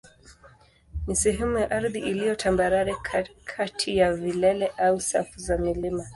ni sehemu ya ardhi iliyo tambarare kati ya vilele au safu za milima.